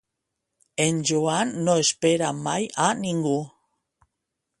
En Joan no espera mai a ningú